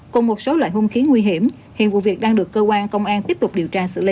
cùng một số loại hung khí nguy hiểm hiện vụ việc đang được cơ quan công an tiếp tục điều tra xử lý